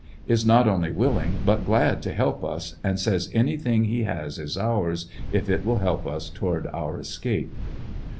Is not only willing, but glad to help us, and says anything he has is ours, if it will help us toward our escape.